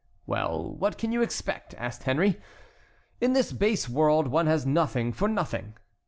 "Well, what can you expect?" said Henry; "in this base world one has nothing for nothing!"